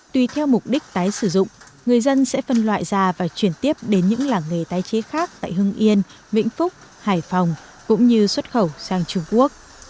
tùy theo mục đích tái sử dụng người dân sẽ phân loại ra và chuyển tiếp đến những làng nghề tái chế khác tại hưng yên vĩnh phúc hải phòng cũng như xuất khẩu sang trung quốc